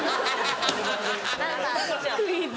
クイズ。